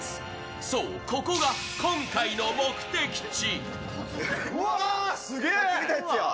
そう、ここが今回の目的地。